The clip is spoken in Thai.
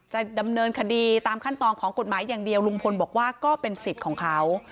จะดำเนินคดีตามขั้นตอนของกฎหมายอย่างเดียวลุงพลบอกว่าก็เป็นสิทธิ์ของเขา